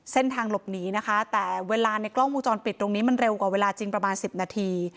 เส้นทางหลบหนีนะคะแต่เวลาในกล้องวงจรปิดตรงนี้มันเร็วกว่าเวลาจริงประมาณ๑๐นาที